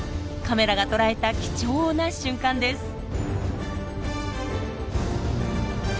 カメラが捉えた貴重な瞬間です。